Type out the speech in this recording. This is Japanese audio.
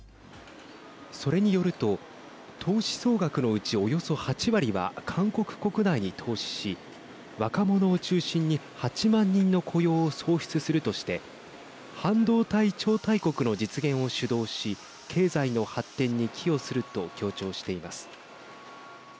それによると投資総額のうちおよそ８割は、韓国国内に投資し若者を中心に８万人の雇用を創出するとして半導体超大国の実現を主導し経済の発展に寄与すると強調しています。